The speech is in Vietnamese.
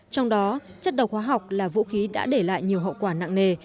trong đó chất độc hóa học là vũ khí đã để lại nhiều hậu quả nặng nề